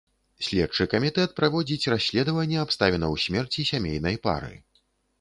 Следчы камітэт праводзіць расследаванне абставінаў смерці сямейнай пары.